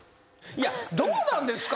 いやどうなんですか？